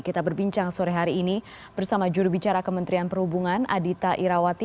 kita berbincang sore hari ini bersama jurubicara kementerian perhubungan adita irawati